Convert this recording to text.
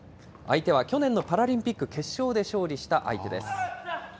相手は去年のパラリンピック決勝で勝利した相手です。